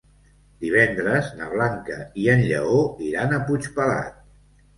Divendres na Blanca i en Lleó iran a Puigpelat.